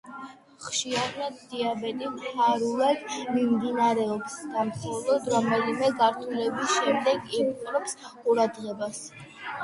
ხშირად დიაბეტი ფარულად მიმდინარეობს და მხოლოდ რომელიმე გართულების შემდეგ იპყრობს ყურადღებას.